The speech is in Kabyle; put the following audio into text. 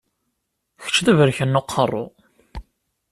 Kečč d aberkan n uqerru!